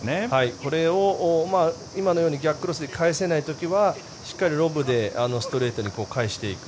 これを今のように逆クロスで返せない時はしっかりロブでストレートに返していく。